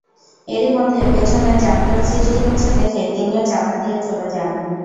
এরই মধ্যে পেছনে যানজট সৃষ্টি হচ্ছে দেখে তিনিও চাঁদা দিয়ে চলে যান।